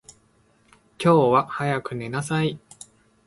今日は早く寝なさい。